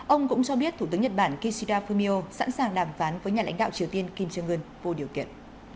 ông cũng cho biết thủ tướng nhật bản kishida fumio sẵn sàng đàm phán với nhà lãnh đạo triều tiên kim jong un vô điều kiện